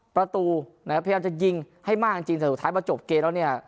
ประตูนะครับพยายามจะยิงให้มากจริงแต่สุดท้ายพอจบเกมแล้วเนี่ย